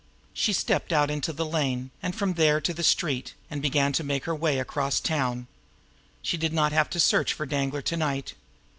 She stepped out into the lane, and from there to the street, and began to make her way across town. She did not have to search for Danglar to night.